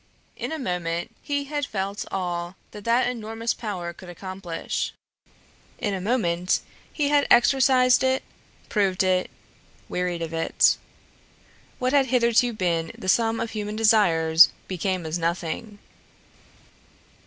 In a moment he had felt all that that enormous power could accomplish; in a moment he had exercised it, proved it, wearied of it. What had hitherto been the sum of human desires became as nothing.